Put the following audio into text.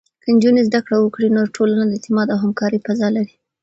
که نجونې زده کړه وکړي، نو ټولنه د اعتماد او همکارۍ فضا لري.